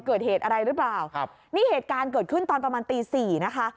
เกิดเหตุอะไรหรือเปล่าครับนี่เหตุการณ์เกิดขึ้นตอนประมาณตีสี่นะคะ